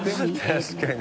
確かに。